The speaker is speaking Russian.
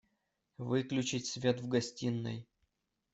Выключить свет в гостиной!